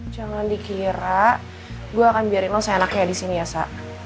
jangan dikira gue akan biarin lo senaknya disini ya sa